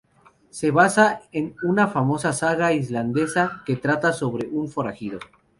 Se basa en una famosa saga islandesa que trata sobre un forajido.